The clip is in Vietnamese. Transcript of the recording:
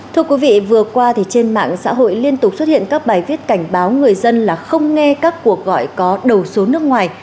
thưa quý vị vừa qua trên mạng xã hội liên tục xuất hiện các bài viết cảnh báo người dân là không nghe các cuộc gọi có đầu số nước ngoài